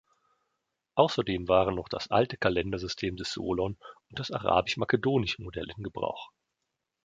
Außerdem waren noch das alte Kalendersystem des Solon und das arabisch-makedonische Modell in Gebrauch.